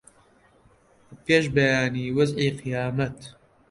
لە پێش بەیانی وەزعی قیامەت